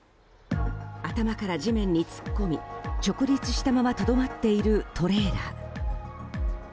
頭から地面に突っ込み直立したままとどまっているトレーラー。